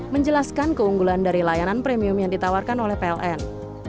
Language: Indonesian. menjelaskan keunggulan dari layanan premium yang ditawarkan oleh pln